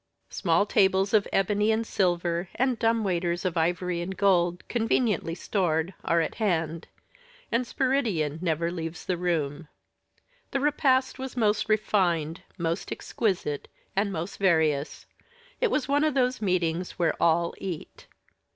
Small tables of ebony and silver, and dumb waiters of ivory and gold, conveniently stored, are at hand, and Spiridion never leaves the room. The repast was most refined, most exquisite, and most various. It was one of those meetings where all eat.